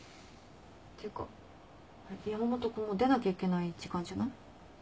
ていうか山本君もう出なきゃいけない時間じゃない？